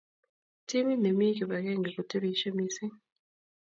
Timit ne mii kibakenge ko turishe mising.